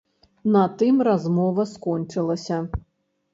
На тым размова скончылася.